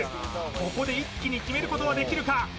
ここで一気に決めることはできるか？